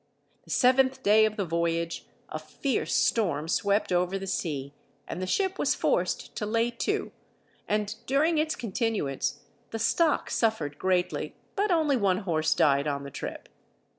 The seventh day of the voyage a fierce storm swept over the sea, and the ship was forced to lay to, and during its continuance the stock suffered greatly; but only one horse died on the trip.